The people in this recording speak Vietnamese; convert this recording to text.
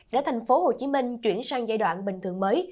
để thành phố hồ chí minh chuyển sang giai đoạn bình thường mới